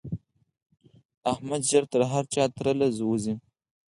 احمد ژر تر هر چا تر له وزي.